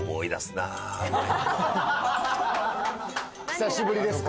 久しぶりですか？